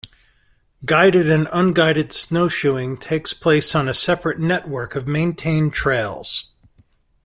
Guided and unguided snowshoeing takes place on a separate network of maintained trails.